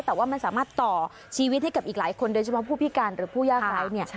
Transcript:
แต่ว่ามันสามารถต่อชีวิตให้กับอีกหลายคนโดยเฉพาะผู้พิการหรือผู้ยากไร้เนี่ย